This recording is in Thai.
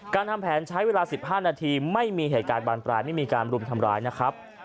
การทำแผนใช้เวลา๑๕นาทีไม่มีเหตุการณ์บานปลายไม่มีการรุมทำร้ายนะครับ